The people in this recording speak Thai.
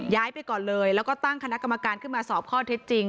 ไปก่อนเลยแล้วก็ตั้งคณะกรรมการขึ้นมาสอบข้อเท็จจริง